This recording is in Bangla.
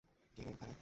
কে রে ওখানে?